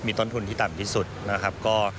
ต้นทุนที่ต่ำที่สุดนะครับ